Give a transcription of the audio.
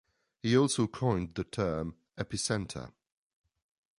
He also coined the term "epicentre".